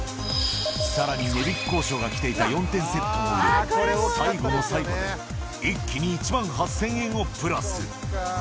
さらに値引き交渉が来ていた４点セットも売れ、最後の最後で一気に１万８０００円をプラス。